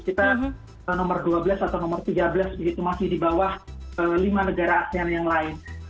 kita nomor dua belas atau nomor tiga belas begitu masih di bawah lima negara asean yang lain